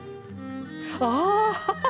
ああ！